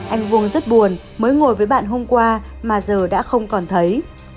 anh vuông rất buồn mới ngồi với bạn hôm qua mà giờ đã không còn thấy